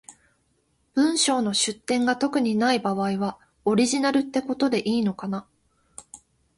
文章の出典が特にない場合は、オリジナルってことでいいのかな？